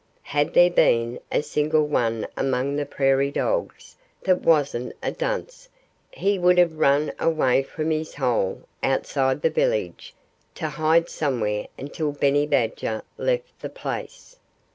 Had there been a single one among the prairie dogs that wasn't a dunce he would have run away from his hole, outside the village, to hide somewhere until Benny Badger left the place.